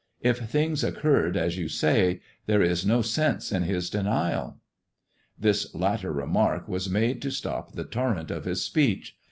If things occurred as yon say, there is no sense in his denial." This latter remark was made to stop the torr^at of his speech.